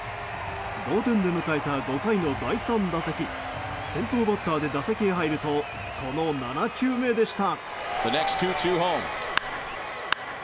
同点で迎えた５回の第３打席先頭バッターで打席に入るとその７球目でした。